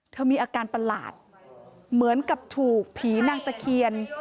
มีอาการประหลาดเหมือนกับถูกผีนางตะเคียน